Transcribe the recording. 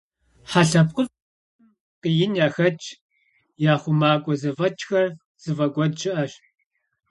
Хьэ лъэпкъыфӀхэм къиин яхэтщ, я хъумакӀуэ зэфӀэкӀхэр зыфӀэкӀуэд щыӀэщ.